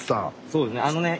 そうですね。